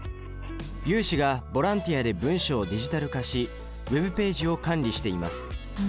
有志がボランティアで文章をデジタル化しＷｅｂページを管理しています。